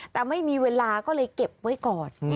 แต่ไม่มีเวลาก็เลยเก็บไว้ก่อน